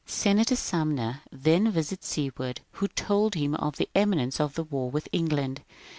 Senator Sumner then visited Seward, who told him of the imminence of war with England.